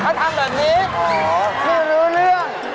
ถ้าทำแบบนี้ไม่รู้เรื่อง